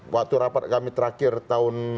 waktu rapat kami terakhir tahun